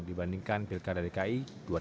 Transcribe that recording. dibandingkan pilkada dki dua ribu delapan belas